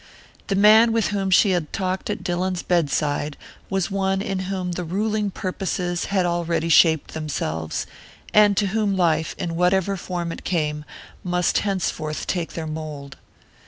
The man with whom she had talked at Dillon's bedside was one in whom the ruling purposes had already shaped themselves, and to whom life, in whatever form it came, must henceforth take their mould.